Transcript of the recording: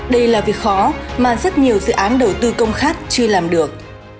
đây là việc khó mà rất nhiều dự án đầu tư công khác chưa làm được